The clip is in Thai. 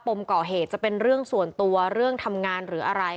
มก่อเหตุจะเป็นเรื่องส่วนตัวเรื่องทำงานหรืออะไร